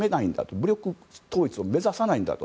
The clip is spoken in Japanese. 武力統一を目指さないんだと。